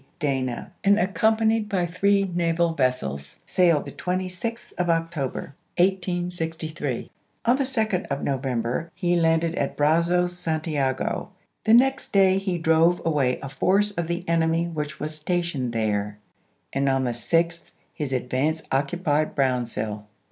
Dana, and accompanied by three naval vessels saHed the 26th of October, 1863. On the 2d of November he landed at Brazos Santiago ; the next day he drove away a force of the enemy which was stationed there, and on the 6th his advance occupied Brownsville.